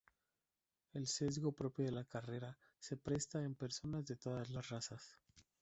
El sesgo propio de la carrera se presenta en personas de todas las razas.